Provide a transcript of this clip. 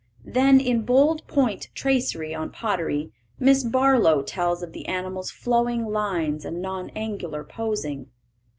Then in bold point tracery on pottery Miss Barlow tells of the animal's flowing lines and non angular posing.